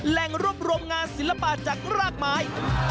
แหล่งรวบรวมงานศิลปะจากรากไม้